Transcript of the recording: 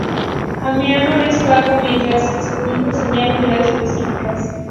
Amiano es vago mientras que Zósimo señala unidades específicas.